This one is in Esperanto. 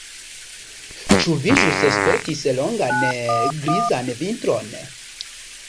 Ĉu vi ĵus spertis longan grizan vintron?